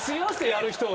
やる人が。